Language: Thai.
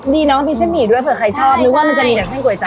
ดีเนอะมีเส้นหมี่ด้วยเผื่อใครชอบนึกว่ามันจะมีเส้นก๋วยจับ